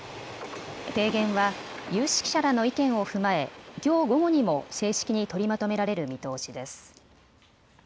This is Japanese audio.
提言は有識者らの意見を踏まえきょう午後にも正式に取りまとめられる見通しです。